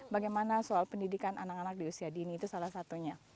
bagaimana soal pendidikan anak anak di usia dini itu salah satunya